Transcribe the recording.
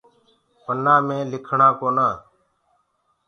پنآ مي دآگ ڪونآ۔